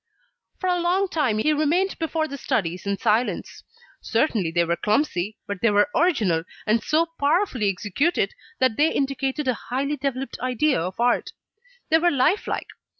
For a long time, he remained before the studies in silence. Certainly they were clumsy, but they were original, and so powerfully executed that they indicated a highly developed idea of art. They were life like.